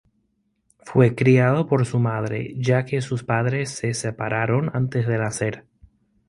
Fue criado por su madre, ya que sus padres se separaron antes de nacer.